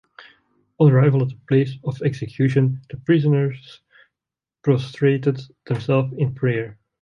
On arrival at the place of execution the prisoners prostrated themselves in prayer.